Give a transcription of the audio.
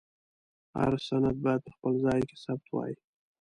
هر سند باید په خپل ځای کې ثبت وای.